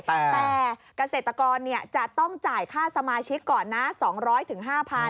แต่เกษตรกรจะต้องจ่ายค่าสมาชิกก่อนนะ๒๐๐๕๐๐บาท